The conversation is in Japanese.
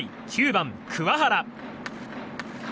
９番、桑原。